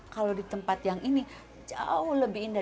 kalau di tempat yang ini jauh lebih indah